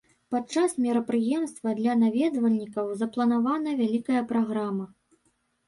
Падчас мерапрыемства для наведвальнікаў запланавана вялікая праграма.